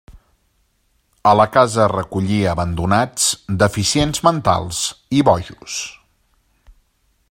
A la casa recollia abandonats, deficients mentals i bojos.